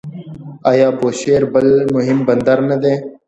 آیا بوشهر بل مهم بندر نه دی؟